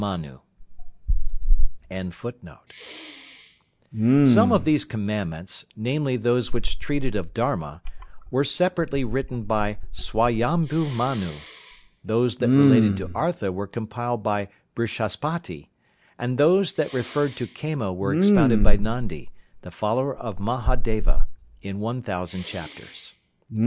Some of these commandments, namely those which treated of Dharma, were separately written by Swayambhu Manu; those that related to Artha were compiled by Brihaspati; and those that referred to Kama were expounded by Nandi, the follower of Mahadeva, in one thousand chapters.